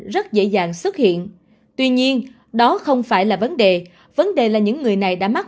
rất dễ dàng xuất hiện tuy nhiên đó không phải là vấn đề vấn đề là những người này đã mắc